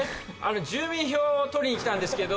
住民票を取りに来たんですけど。